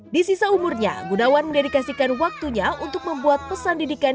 di sisa umurnya gunawan mendedikasikan waktunya untuk membuat pesan didikan